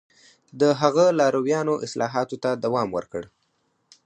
د هغه لارویانو اصلاحاتو ته دوام ورکړ